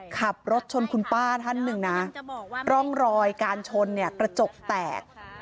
ขับรถชนคุณป้าท่านหนึ่งนะร่องรอยการชนเนี่ยกระจกแตก